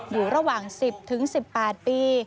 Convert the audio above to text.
อยู่ระหว่าง๑๐๑๘ปี